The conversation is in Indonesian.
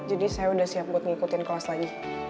jadi saya udah siap buat ngikutin kelas lagi